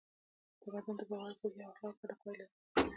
تمدن د باور، پوهې او اخلاقو ګډه پایله ده.